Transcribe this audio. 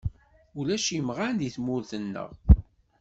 Ulac imɣan deg tmurt-neɣ.